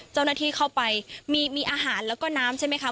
เจ้าหน้าที่เข้าไปมีอาหารแล้วก็น้ำใช่ไหมคะ